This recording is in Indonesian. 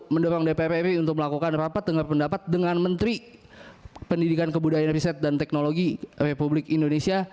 mendorong dpr ri untuk melakukan rapat dengan pendapat dengan menteri pendidikan kebudayaan riset dan teknologi republik indonesia